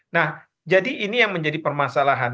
nah jadi ini yang menjadi permasalahan